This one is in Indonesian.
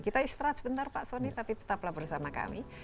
kita istirahat sebentar pak soni tapi tetaplah bersama kami